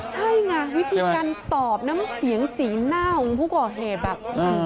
ใช่ครับวิธีการตอบน้ำเสียงสีเผี้ยวพวกผู้ก่อเหตุแบบ